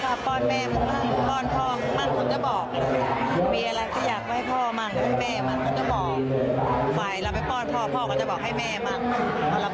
พอเราป้อนแม่เอาไว้ให้พ่อมันก็จะพูดอยู่นี้ตลอด